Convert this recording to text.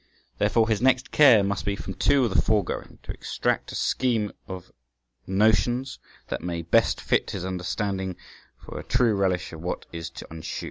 Therefore, his next care must be from two of the foregoing to extract a scheme of notions that may best fit his understanding for a true relish of what is to ensue.